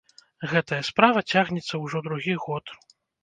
Гэтая справа цягнецца ўжо другі год.